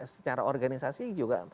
secara organisasi juga